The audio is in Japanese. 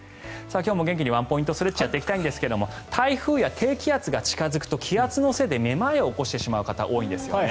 今日も元気にワンポイントストレッチやっていきたいんですが台風や低気圧が近付くと気圧のせいでめまいを起こしてしまう方多いんですよね。